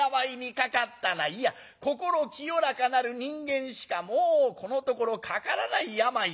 いや心清らかなる人間しかもうこのところかからない病だ。